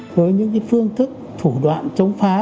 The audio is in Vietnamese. với những phương thức thủ đoạn chống phá